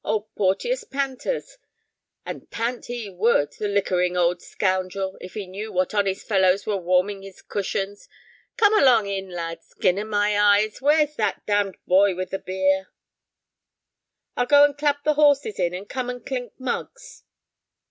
Old Porteus Panter's. And pant he would, the liquoring old scoundrel, if he knew what honest fellows were warming his cushions. Come along in, lad. Skin o' my eyes, where's that damned boy with the beer?" "I'll go and clap the horses in, and come and clink mugs."